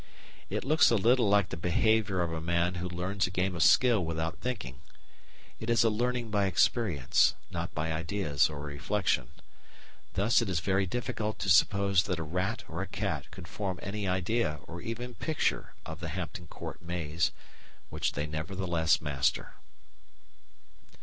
It looks a little like the behaviour of a man who learns a game of skill without thinking. It is a learning by experience, not by ideas or reflection. Thus it is very difficult to suppose that a rat or a cat could form any idea or even picture of the Hampton Court maze which they nevertheless master.